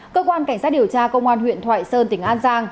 cơ quan cảnh sát điều tra công an huyện thoại sơn tỉnh an giang